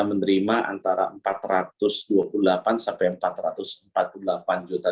menerima antara empat ratus dua puluh delapan sampai empat ratus empat puluh delapan juta